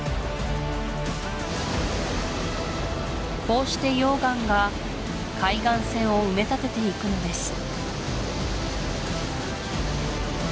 こうして溶岩が海岸線を埋め立てていくのです